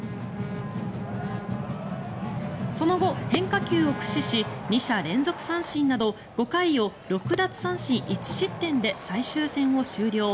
その後、変化球を駆使し２者連続三振など５回を６奪三振１失点で最終戦を終了。